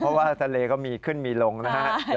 เพราะว่าทะเลก็มีขึ้นมีลงนะฮะ